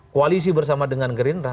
koalisi bersama dengan gerindra